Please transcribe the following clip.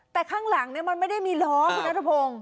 แต่ข้างหลังมันไม่ได้มีล้อคุณนัทพงศ์